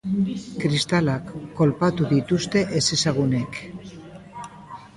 Kristalak kolpatu dituzte ezezagunek.